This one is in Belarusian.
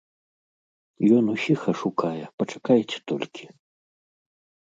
Ён усіх ашукае, пачакайце толькі!